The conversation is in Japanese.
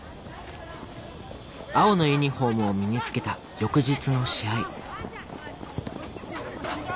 青のユニホームを身に着けた翌日の試合